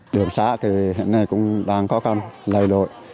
đường xa thì hiện nay cũng đang khó khăn lầy lội